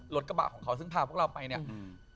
รถกระบะของเขาซึ่งพาพวกเราไปเนี่ยอืม